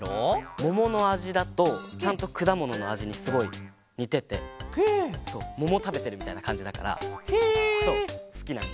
もものあじだとちゃんとくだもののあじにすごいにててももたべてるみたいなかんじだからすきなんだ。